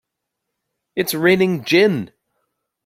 It's raining gin!